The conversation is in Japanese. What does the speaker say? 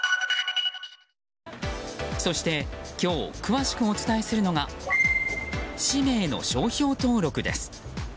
そして今日詳しくお伝えするのが氏名の商標登録です。